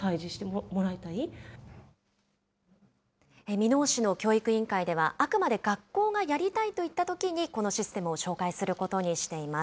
箕面市の教育委員会では、あくまで学校がやりたいと言ったときにこのシステムを紹介することにしています。